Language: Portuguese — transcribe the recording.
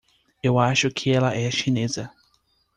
Eu acho que ela é chinesa.